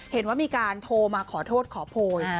เห็นว่ามีการโทรมาขอโทษขอโพย